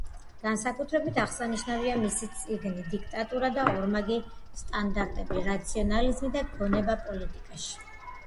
განსაკუთრებით აღსანიშნავია მისი წიგნი „დიქტატურა და ორმაგი სტანდარტები: რაციონალიზმი და გონება პოლიტიკაში“.